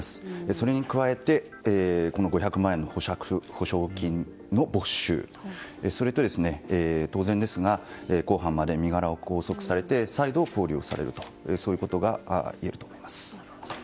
それに加えて５００万円の保釈保証金の没収それと当然ですが公判まで身柄を拘束されて再度、勾留されるということがいえると思います。